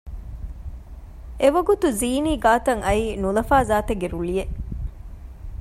އެވަގުތު ޒީނީ ގާތަށް އައީ ނުލަފާ ޒާތެއްގެ ރުޅިއެއް